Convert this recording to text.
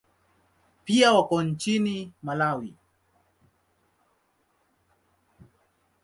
Pia wako nchini Malawi.